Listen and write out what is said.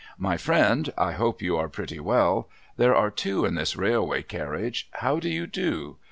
' My friend, I hope you are pretty well. There are two in this railway carriage. How do you do